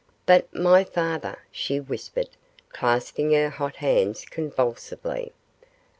'But my father,' she whispered, clasping her hot hands convulsively.